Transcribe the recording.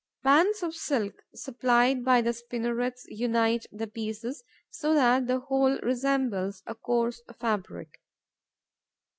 Bands of silk, supplied by the spinnerets, unite the pieces, so that the whole resembles a coarse fabric.